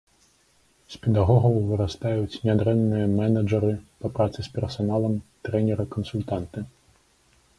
З педагогаў вырастаюць нядрэнныя мэнэджары па працы з персаналам, трэнеры, кансультанты.